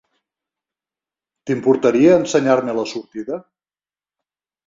T'importaria ensenyar-me la sortida?